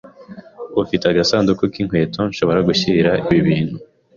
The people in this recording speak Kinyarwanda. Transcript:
Ufite agasanduku k'inkweto nshobora gushyira ibi bintu?